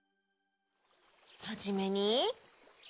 はじめに。